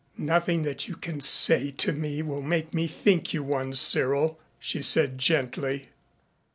"Nothing that you can say to me will make me think you one, Cyril," she said gently.